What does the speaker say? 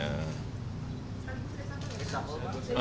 tapi sudah satu pak